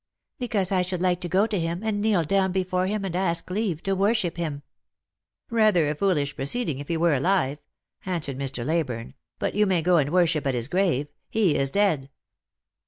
" Because I should like to go to him, and kneel down before him, and ask leave to worship him." " Rather a foolish proceeding, if he were alive," answered Mr. Leyburne ;" but you may go and worship at his grave. He is dead."